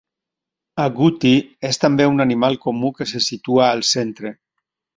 Agouti és també un animal comú que se situa al centre.